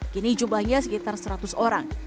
kini jumlahnya sekitar seratus orang